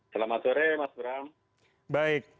selamat sore mas bram